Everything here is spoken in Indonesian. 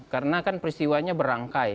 karena kan peristiwanya berangkai